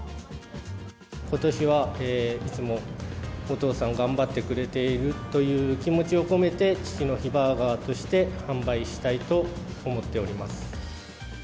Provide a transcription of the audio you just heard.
ことしは、いつもお父さん頑張ってくれているという気持ちを込めて、父の日バーガーとして販売したいと思っております。